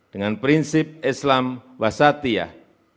dengan prinsip islam wasatiyah